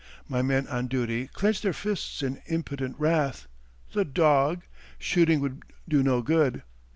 My men on duty clenched their fists in impotent wrath. "The dog !" Shooting would do no good.